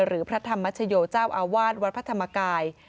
พระธรรมชโยเจ้าอาวาสวัดพระธรรมกาย